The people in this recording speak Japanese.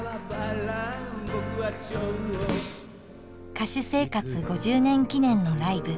歌手生活５０年記念のライブ。